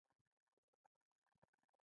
ایا د ځان وژنې فکر مو کړی دی؟